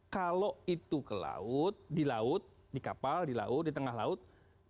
kalau itu ke laut di laut di kapal di laut di tengah laut